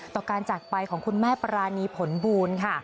ต่อการจากไปของคุณแม่ปรานีผลบูลค่ะ